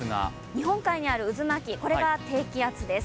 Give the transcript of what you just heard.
日本海にある渦巻きが低気圧です。